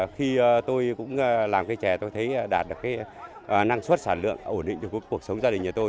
khi tôi cũng làm cây trẻ tôi thấy đạt được cái năng suất sản lượng ổn định cho cuộc sống gia đình nhà tôi